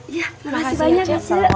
iya makasih banyak cice